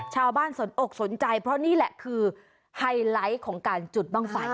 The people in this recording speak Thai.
สนอกสนใจเพราะนี่แหละคือไฮไลท์ของการจุดบ้างไฟ